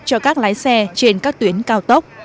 cho các lái xe trên các tuyến cao tốc